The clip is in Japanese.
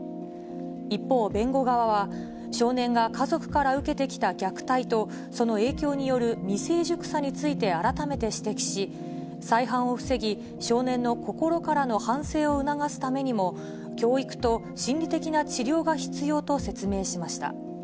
一方、弁護側は、少年が家族から受けてきた虐待と、その影響による未成熟さについて改めて指摘し、再犯を防ぎ、少年の心からの反省を促すためにも、教育と心理的な治療が必要と説明しました。